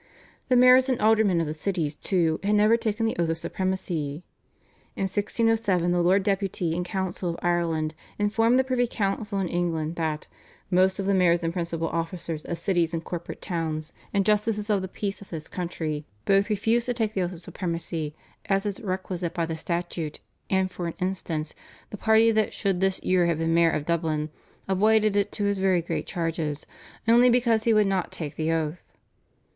The mayors and aldermen of the cities, too, had never taken the oath of supremacy. In 1607 the Lord Deputy and council of Ireland informed the privy council in England that, "most of the mayors and principal officers of cities and corporate towns, and justices of the peace of this country birth refuse to take the oath of supremacy, as is requisite by the statute, and for an instance, the party that should this year have been Mayor of Dublin, avoided it to his very great charges, only because he would not take the oath."